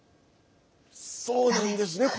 そうなんですね。